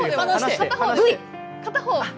片方。